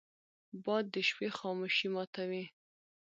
باد د شپې خاموشي ماتوي